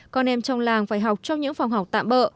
con em trong làng phải học trong những phòng học tạm bỡ